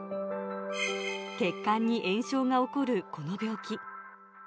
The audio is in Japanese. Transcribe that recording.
血管に炎症が起こるこの病気。